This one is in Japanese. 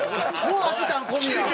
もう飽きたの？